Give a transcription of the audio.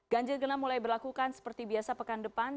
ganjil genap mulai berlakukan seperti biasa pekan depan